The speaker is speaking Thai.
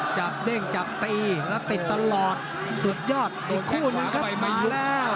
เด้งจับตีแล้วติดตลอดสุดยอดอีกคู่หนึ่งครับมาแล้ว